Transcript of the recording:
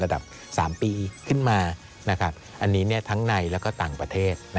ระดับ๓ปีขึ้นมาอันนี้ทั้งในแล้วก็ต่างประเทศ